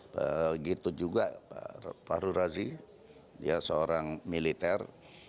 begitu juga fahrul razi dia seorang militer